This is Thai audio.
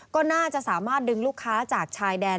ก็น่าจะสามารถดึงลูกค้าจากชายแดน